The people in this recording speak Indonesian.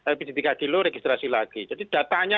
lpg tiga di lo registrasi lagi jadi datanya